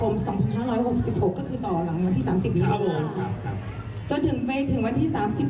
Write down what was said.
มาใจ